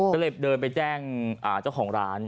ก็เลยเดินไปแจ้งเจ้าของร้าน